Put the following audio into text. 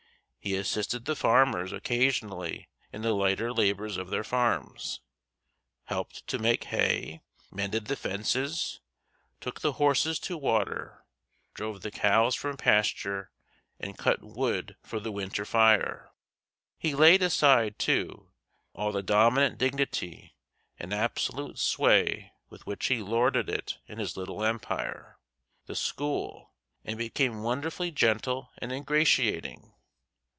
He assisted the farmers occasionally in the lighter labors of their farms, helped to make hay, mended the fences, took the horses to water, drove the cows from pasture, and cut wood for the winter fire. He laid aside, too, all the dominant dignity and absolute sway with which he lorded it in his little empire, the school, and became wonderfully gentle and ingratiating.